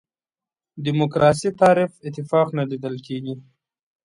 دیموکراسي تعریف اتفاق نه لیدل کېږي.